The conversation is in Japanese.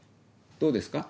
どうですか？